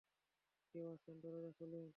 কেউ আছেন, দরজা খুলুন।